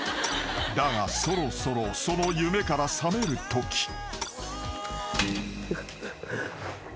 ［だがそろそろその夢から覚めるとき］